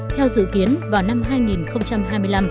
theo dự kiến vào năm hai nghìn hai mươi năm